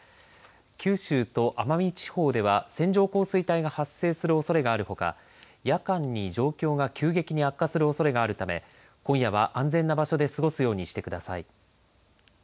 九州と奄美地方では線状降水帯が発生するおそれがあるほか、夜間に状況が急激に悪化するおそれがあるため今夜は安全な場所で過ごすようにしてください。